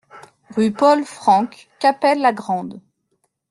Rue Paul Francke, Cappelle-la-Grande